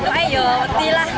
ayo berhenti lah